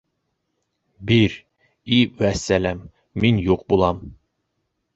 Бир - и вәссәләм - мин юҡ булам!